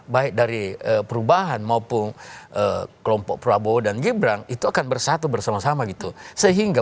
baik dari perubahan maupun kelompok prabowo dan gibran itu akan bersatu bersama sama gitu sehingga